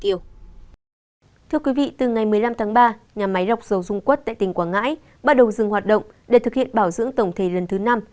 thưa quý vị từ ngày một mươi năm tháng ba nhà máy lọc dầu dung quất tại tỉnh quảng ngãi bắt đầu dừng hoạt động để thực hiện bảo dưỡng tổng thể lần thứ năm